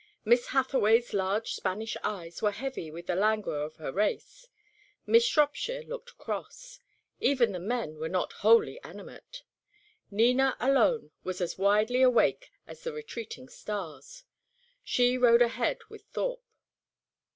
Miss Hathaway's large Spanish eyes were heavy with the languor of her race. Miss Shropshire looked cross. Even the men were not wholly animate. Nina alone was as widely awake as the retreating stars. She rode ahead with Thorpe.